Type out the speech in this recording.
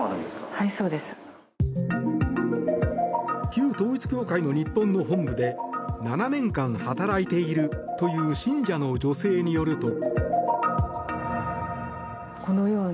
旧統一教会の日本の本部で７年間働いているという信者の女性によると。